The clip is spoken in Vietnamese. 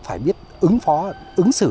phải biết ứng phó ứng xử